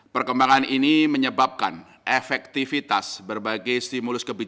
perkembangan ini menyebabkan efektivitas berbagai stimulus kebijakan